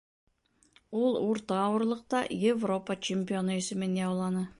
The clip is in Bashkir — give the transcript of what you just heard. Ул урта ауырлыҡта Европа чемпионы исемен яуланы